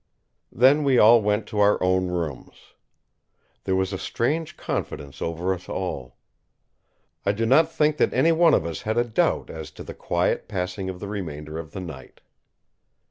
Then we all went to our own rooms. There was a strange confidence over us all. I do not think that any one of us had a doubt as to the quiet passing of the remainder of the night.